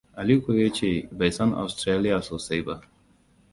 Aliko ya ce bai san Australia sosai ba.